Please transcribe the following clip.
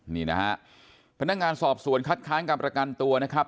นี่นะฮะพนักงานสอบสวนคัดค้างการประกันตัวนะครับ